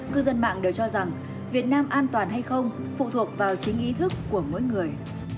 cư dân mạng đều cho rằng việt nam an toàn hay không phụ thuộc vào chính ý thức của mỗi người